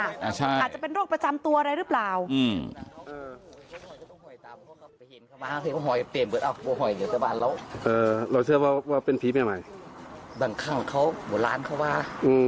อาจจะเป็นโรคประจำตัวอะไรหรือเปล่า